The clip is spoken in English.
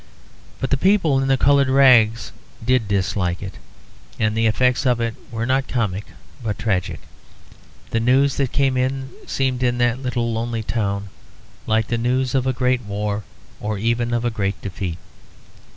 But the people in the coloured rags did dislike it; and the effects of it were not comic but tragic. The news that came in seemed in that little lonely town like the news of a great war, or even of a great defeat.